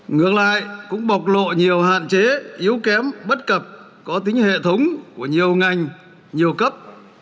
ngược lại cũng bộc lộ nhiều hạn chế yếu kém bất cập có tính hệ thống của nhiều ngành nhiều cấp